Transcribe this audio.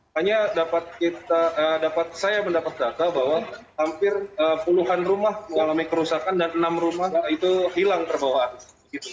hanya dapat saya mendapat data bahwa hampir puluhan rumah dalam kerusakan dan enam rumah itu hilang terbawa arus